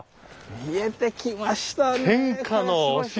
見えてきましたねえ。